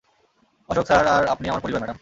Ashok sir আর আপনি আমার পরিবার, ম্যাডাম।